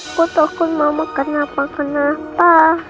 aku takut mama kenapa kenapa